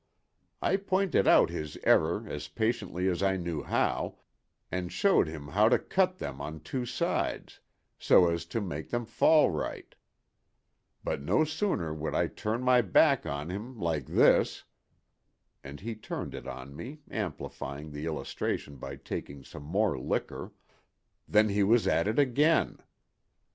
I pointed out his error as patiently as I knew how, and showed him how to cut them on two sides, so as to make them fall right; but no sooner would I turn my back on him, like this"—and he turned it on me, amplifying the illustration by taking some more liquor—"than he was at it again.